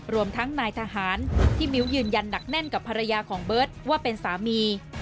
รวมทั้งนายทหารที่มิ้วยืนยันหนักแน่นกับภรรยาของเบิร์ตว่าเป็นสามี